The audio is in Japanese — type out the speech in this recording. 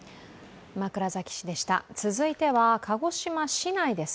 続いては鹿児島市内です。